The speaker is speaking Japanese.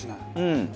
うん。